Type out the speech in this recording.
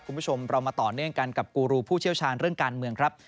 คุณผู้ชมเรามาต่อเนื่องกันกับกูรูผู้เชี่ยวชาญเรื่องการเมืองครับ